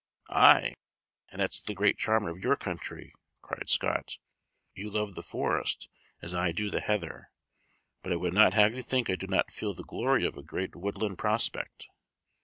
"Aye, and that's the great charm of your country," cried Scott. "You love the forest as I do the heather but I would not have you think I do not feel the glory of a great woodland prospect.